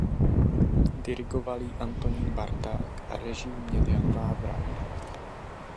Dirigoval ji Antonín Barták a režii měl Jan Vávra.